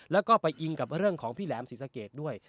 แล้วก็ไปอิงกับเรื่องของพี่แหลมศรีสะเกดด้วย